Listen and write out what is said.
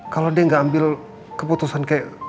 kalau dia nggak ambil keputusan kayak